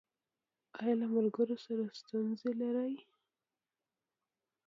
ایا له ملګرو سره ستونزې لرئ؟